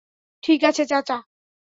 ঠিক আছে, চাচা।